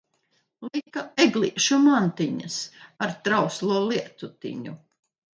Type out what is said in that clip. Lika eglīšu mantiņas ar trauslo lietutiņu.